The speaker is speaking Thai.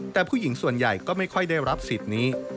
แต่ผู้หญิงส่วนใหญ่ก็ไม่ค่อยได้รับสิทธิ์นี้